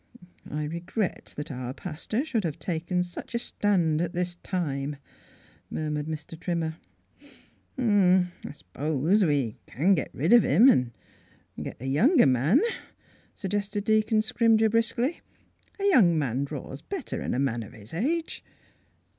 " I regret that our pastor should have taken such a stand at this time," mur mured Mr. Trimmer. " I s'pose we kin git rid of him, an' git a younger man," suggested Deacon Scrim ger briskly. " A young man draws bet ter 'n a man o' his age."